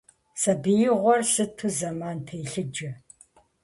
Сабиигъуэр сыту зэман телъыджэ.